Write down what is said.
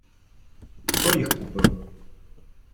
Хто їх купив?